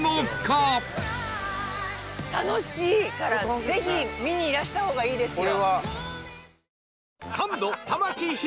楽しいからぜひ見にいらした方がいいですよ。